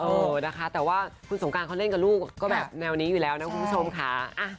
เออนะคะแต่ว่าคุณสงการเขาเล่นกับลูกก็แบบแนวนี้อยู่แล้วนะคุณผู้ชมค่ะ